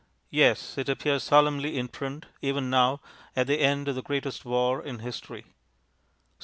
Yes, it appears solemnly in print, even now, at the end of the greatest war in history.